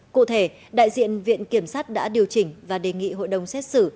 cụ thể đại diện viện kiểm sát đã điều chỉnh và đề nghị hội đồng xét xử